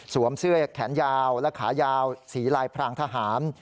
เสื้อแขนยาวและขายาวสีลายพรางทหาร